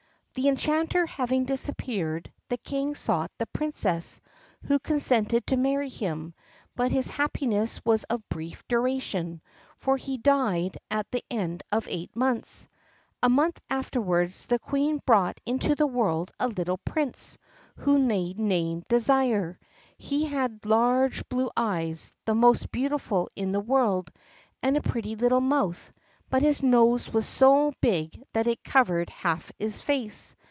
The Enchanter having disappeared, the King sought the Princess, who consented to marry him; but his happiness was of brief duration, for he died at the end of eight months. A month afterwards the Queen brought into the world a little prince, whom they named Désir. He had large blue eyes, the most beautiful in the world, and a pretty little mouth, but his nose was so big that it covered half his face.